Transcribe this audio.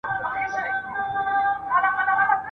چي پر ښځه باندي